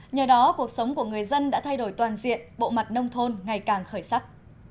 nhờ đó cuộc sống của người dân đã thay đổi toàn diện bộ mặt nông thôn ngày càng khởi sắc